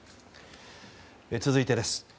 続いてです。